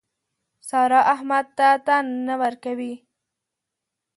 سارا احمد ته تن نه ورکوي.